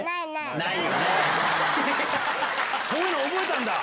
そういうの覚えたんだ！